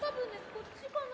こっちかな？